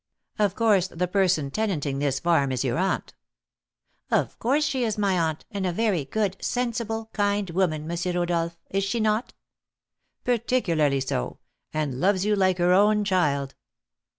Of course, the person tenanting this farm is your aunt." "Of course she is my aunt, and a very good, sensible, kind woman, M. Rodolph, is she not?" "Particularly so, and loves you like her own child."